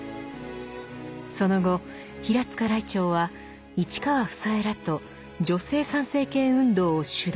その後平塚らいてうは市川房枝らと女性参政権運動を主導。